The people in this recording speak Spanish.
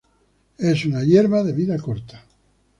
Es una hierba de vida corta.